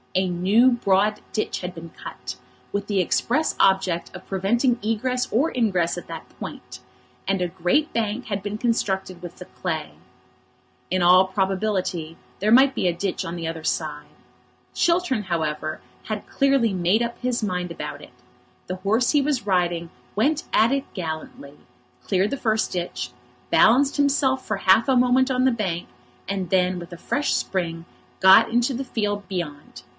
A new broad ditch had been cut, with the express object of preventing egress or ingress at that point; and a great bank had been constructed with the clay. In all probability there might be another ditch on the other side. Chiltern, however, had clearly made up his mind about it. The horse he was riding went at it gallantly, cleared the first ditch, balanced himself for half a moment on the bank, and then, with a fresh spring, got into the field beyond.